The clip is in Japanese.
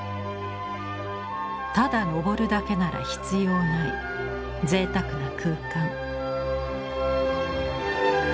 ただ上るだけなら必要ないぜいたくな空間。